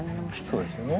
そうですよね。